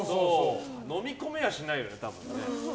のみ込めやしないよね、多分。